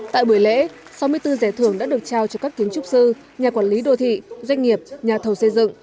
tại buổi lễ sáu mươi bốn giải thưởng đã được trao cho các kiến trúc sư nhà quản lý đô thị doanh nghiệp nhà thầu xây dựng